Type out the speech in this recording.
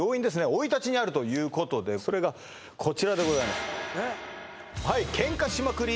生い立ちにあるということでそれがこちらでございます喧嘩しまくり